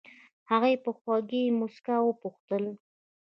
هغې په خوږې موسکا وپوښتل.